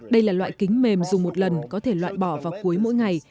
đây là loại kính mềm dùng một lần có thể loại bỏ vào cuối mỗi ngày